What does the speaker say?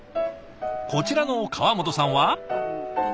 こちらの河本さんは。